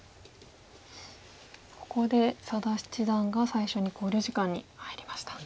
ここで佐田七段が最初に考慮時間に入りました。